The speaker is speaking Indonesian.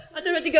satu dua tiga